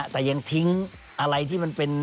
แต่ยังทิ้งอะไรที่มันเป็น